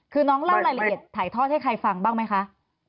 คือน้องเล่ารายละเอียดถ่ายทอดให้ใครฟังบ้างไหมคะ